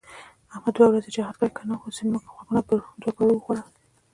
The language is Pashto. احمد دوه ورځې جهاد کړی که نه، اوس یې زموږ غوږونه په دوپړو وخوړل.